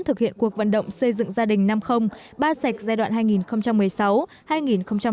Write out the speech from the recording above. thực hiện cuộc vận động xây dựng gia đình năm ba sạch giai đoạn hai nghìn một mươi sáu hai nghìn hai mươi